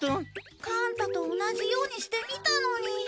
かんたと同じようにしてみたのに。